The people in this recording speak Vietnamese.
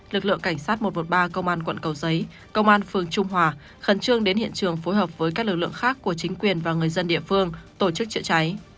lực lượng cảnh sát một trăm một mươi ba công an quận cầu giấy công an phường trung hòa khẩn trương đến hiện trường phối hợp với các lực lượng khác của chính quyền và người dân địa phương tổ chức chữa cháy